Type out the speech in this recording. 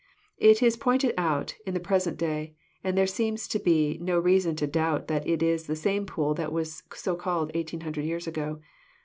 It is pointed out in the present day, and there seems no reason to doubt that it is the same pool that was so called eighteen hundred years ago.